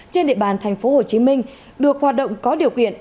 trên địa bàn thành phố hồ chí minh được hoạt động có điều kiện